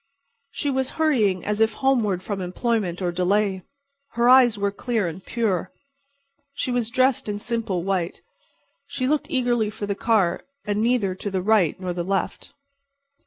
She was hurrying as if homeward from employment or delay. Her eyes were clear and pure, she was dressed in simple white, she looked eagerly for the car and neither to the right nor the left.